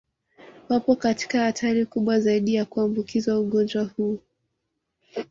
Wapo katika hatari kubwa zaidi ya kuambukizwa ugonjwa huu